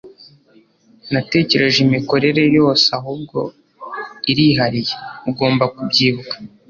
natekereje imikorere yose ahubwo irihariye. ugomba kubyibuka